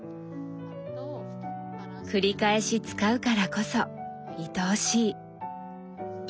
くり返し使うからこそ愛おしい。